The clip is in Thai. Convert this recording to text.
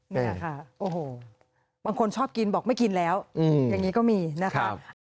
นี่ค่ะโอ้โหบางคนชอบกินบอกไม่กินแล้วอย่างนี้ก็มีนะครับ